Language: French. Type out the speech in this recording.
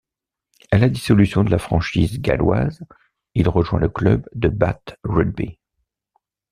À la dissolution de la franchise galloise, il rejoint le club de Bath Rugby.